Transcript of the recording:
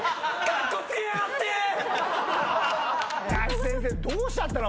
林先生どうしちゃったの？